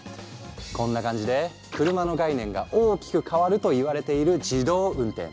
こんな感じで車の概念が大きく変わるといわれている自動運転。